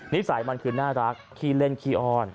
นิสัยมันคือน่ารักขี้เล่นขี้อ้อน